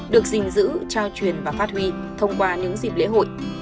được dình dữ trao truyền và phát huy thông qua những dịp lễ hội